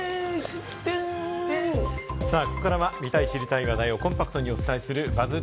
ここからは見たい、知りたい話題をコンパクトにお伝えするＢＵＺＺ